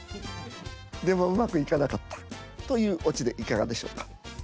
でもうまくいかなかった。というオチでいかがでしょうか？